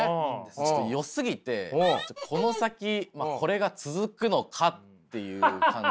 ちょっとよすぎてこの先これが続くのか？っていう感じですね。